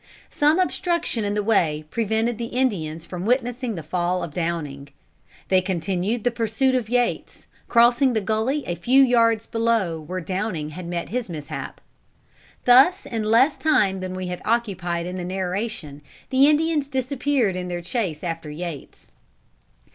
Some obstruction in the way prevented the Indians from witnessing the fall of Downing. They continued the pursuit of Yates, crossing the gulley a few yards below where Downing had met his mishap. Thus in less time than we have occupied in the narration, the Indians disappeared in their chase after Yates.